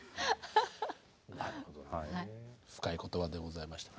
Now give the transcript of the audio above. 深い言葉でございました。